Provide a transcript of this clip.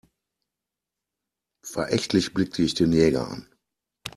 Verächtlich blickte ich den Jäger an.